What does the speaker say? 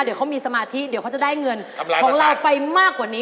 เดี๋ยวเขามีสมาธิเดี๋ยวเขาจะได้เงินของเราไปมากกว่านี้